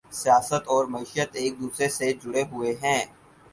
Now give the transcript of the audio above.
سیاست اور معیشت ایک دوسرے سے جڑے ہوئے ہیں